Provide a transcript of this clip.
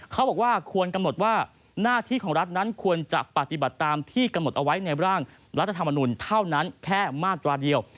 เขาบอกว่าควรกำหนดว่าหน้าที่ของรัฐนั้นควรจะปฏิบัติตามที่กำหนดเอาไว้ในร่างรัฐธรรมนุนเท่านั้นแค่มาตราเดียว